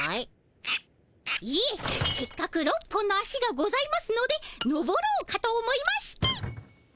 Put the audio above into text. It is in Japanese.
いえせっかく６本の足がございますので登ろうかと思いまして。